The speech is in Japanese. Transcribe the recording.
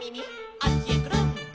「あっちへくるん」